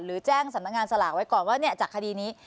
หรือแจ้งสำนักงานสลากไว้ก่อนว่าจากคดีนี้